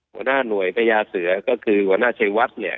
หัวหน้าหน่วยประยาเสือก็คือหัวหน้าเชยวัฒน์